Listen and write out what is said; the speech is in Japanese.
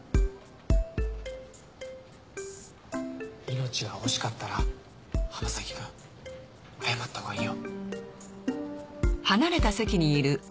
命が惜しかったら浜崎君謝ったほうがいいよ。